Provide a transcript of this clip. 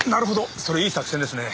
それいい作戦ですね。